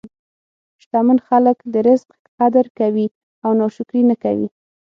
شتمن خلک د رزق قدر کوي او ناشکري نه کوي.